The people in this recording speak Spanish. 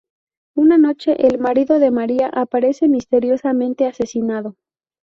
Una noche, el marido de "María" aparece misteriosamente asesinado.